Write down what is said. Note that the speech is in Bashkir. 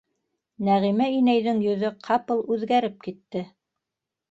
Нәғимә инәйҙең йөҙө ҡапыл үҙгәреп китте.